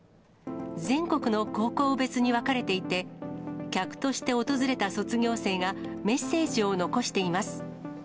全国の高校別に分かれていて、客として訪れた卒業生が、メッセージを残しています。